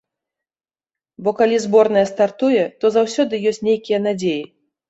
Бо калі зборная стартуе, то заўсёды ёсць нейкія надзеі.